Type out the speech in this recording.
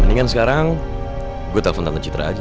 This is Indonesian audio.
mendingan sekarang gua telepon tante citra aja